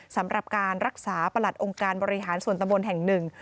สำหรับการรักษาประหลัดองค์การบริหารส่วนตะบนแห่งหนึ่ง